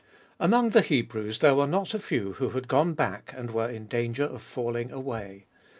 AMONG the Hebrews there were not a few who had gone back and were in danger of falling away.